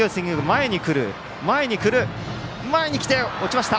外野、前に来て、落ちました！